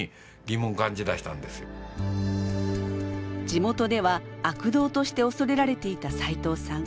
地元では悪童として恐れられていたさいとうさん。